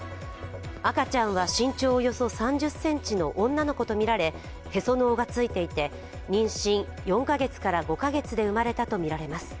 赤ちゃんは身長およそ３０ｃｍの女の子とみられ、へその緒がついていて、妊娠４か月から５か月で生まれたとみられています。